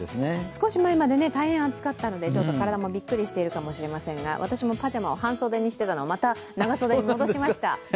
少し前まで大変暑かったのでちょっと体もびっくりしているかもしれませんが、私もパジャマを半袖にしていたのをまた長袖に戻しました。